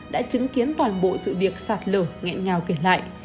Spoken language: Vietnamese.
đã chứng kiến toàn bộ sự việc sạt lở nghẹn ngào kể lại